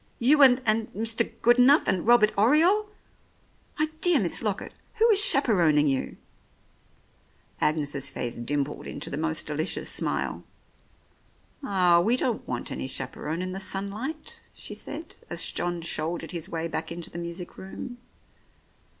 "You and — and Mr. Goodenough and Robbie Oriole ! My dear Miss Lockett, who is chaperoning you ?" Agnes's face dimpled into the most delicious smile. "Ah, we don't want any chaperon in the sun light," she said, as John shouldered his way back into the music room.